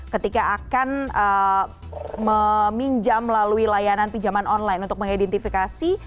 ketika akan meminjam melalui layanan pinjaman online untuk mengidentifikasi